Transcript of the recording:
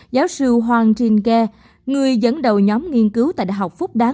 giáo sư hoàng trinh khe người dẫn đầu nhóm nghiên cứu tại đại học phúc đán